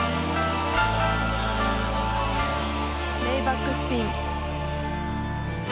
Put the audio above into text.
レイバックスピン。